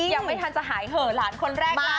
ยังไม่ทันจะหายเหอะหลานคนแรกเลย